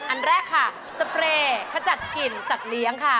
อันแรกค่ะสเปรย์ขจัดกลิ่นสัตว์เลี้ยงค่ะ